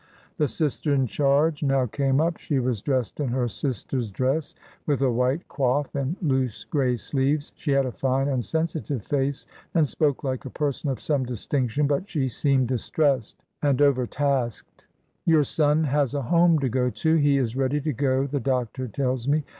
The sister in charge now came up. She was dressed in her sisters' dress, with a white coiffe and loose grey sleeves. She had a fine and sensitive face, and spoke like a person of some distinction, but she seemed distressed and over tasked. "Your son has a home to go to; he is ready to go, the doctor tells me.